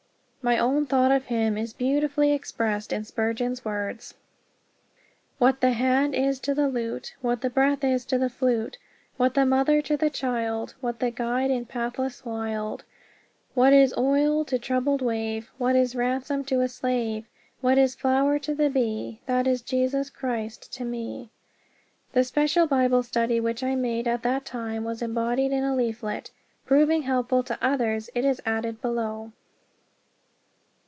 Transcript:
My own thought of him is beautifully expressed in Spurgeon's words: "What the hand is to the lute, What the breath is to the flute, What's the mother to the child, What the guide in pathless wild, What is oil to troubled wave, What is ransom to a slave, What is flower to the bee, That is Jesus Christ to me." The special Bible study which I made at that time was embodied in a leaflet. Proving helpful to others, it is added below.